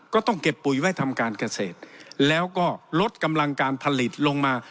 ก็ต้องเก็บปุ๋ยไว้ทำการเกษตรแล้วก็ลดกำลังการผลิตลงมา